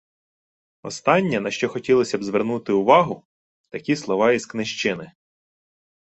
Останнє, на що хотілося б звернути увагу, – такі слова із книжчини: